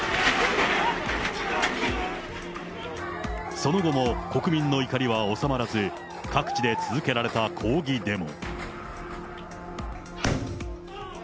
その後も国民の怒りは収まらず、各地で続けられた抗議デモ。